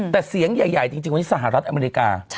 แต่เสียงใหญ่จริงวันนี้สหรัฐอเมริกา